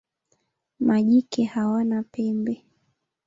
Majike hawana pembe.